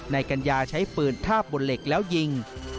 นายกัญญาใช้ปืนทาบบนเหล็กแล้วยิง